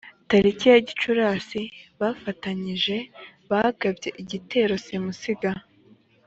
tariki ya gicurasi bafatanyije bagabye igitero simusiga